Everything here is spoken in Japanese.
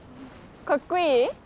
かっこいい？